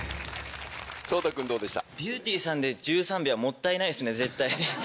颯太君どうでした？